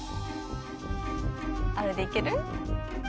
あれでいける？